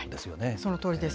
そのとおりです。